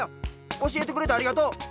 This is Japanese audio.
おしえてくれてありがとう！